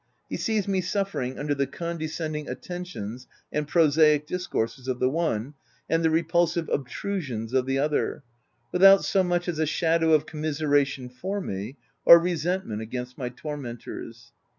He sees me suffering under the conde scending attentions and prosaic discourses of the one, and the repulsive obtrusions of the OF WILDFELL HALL. 343 other, without so much as a shadow of com miseration for me,] or resentment against my tormentors.